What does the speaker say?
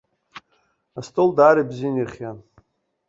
Астол даара ибзианы ирхиан.